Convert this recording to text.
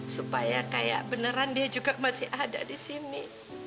supaya kayak beneran dia juga masih ada di sini